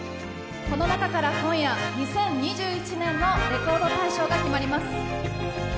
この中から今夜、２０２１年のレコード大賞が決まります。